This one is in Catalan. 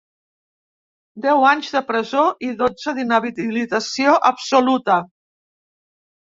Deu anys de presó i dotze d’inhabilitació absoluta.